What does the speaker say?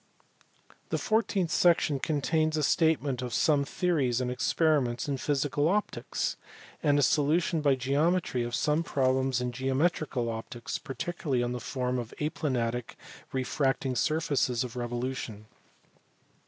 The fourteenth section contains a statement of some theories and experiments in physical optics ; and a solution by geometry of some problems in geometrical optics, particularly on the form of aplanatic refracting surfaces of revolution.